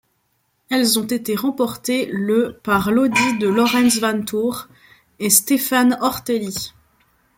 Elles ont été remportées le par l'Audi de Laurens Vanthoor et Stéphane Ortelli.